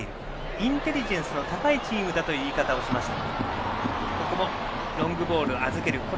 インテリジェンスの高いチームだという言い方をしました。